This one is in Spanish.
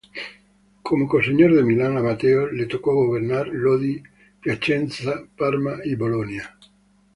Como co-señor de Milán, a Mateo le tocó gobernar Lodi, Piacenza, Parma y Bolonia.